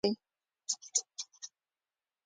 سهار د امېدوار فکرونو وخت دی.